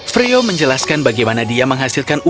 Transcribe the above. freo menjelaskan bagaimana dia menghasilkan uang